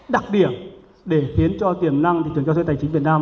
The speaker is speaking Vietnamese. đặc điểm để khiến cho tiềm năng thị trường cho thuê tài chính việt nam